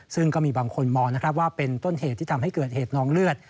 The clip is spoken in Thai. ซึ่งก็มีบางคนมองนะครับว่าเป็นต้นเหตุที่ทำให้เกิดเหตุน้องเลือด